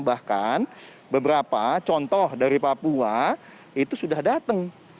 bahkan beberapa contoh dari papua itu sudah datang